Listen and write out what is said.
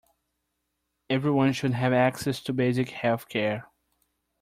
Everyone should have access to basic health-care.